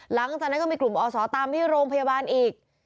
หลังจากนั้นก็มีกลุ่มอศตามที่โรงพยาบาลอีก